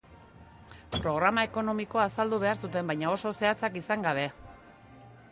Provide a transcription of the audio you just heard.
Programa ekonomikoa azaldu behar zuten, baina oso zehatzak izan gabe.